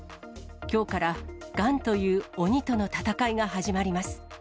きょうから、がんという鬼との闘いが始まります。